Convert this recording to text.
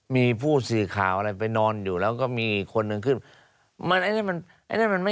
มีผู้สื่อข่าวอะไรไปนอนอยู่แล้วก็มีคนหนึ่งขึ้น